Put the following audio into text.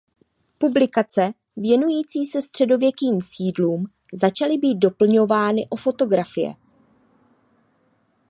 Publikace věnující se středověkým sídlům začaly být doplňovány o fotografie.